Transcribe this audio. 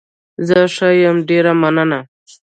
زه ښه يم، ډېره مننه.